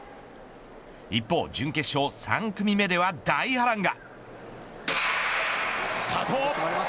一方準決勝３組目では大波乱が。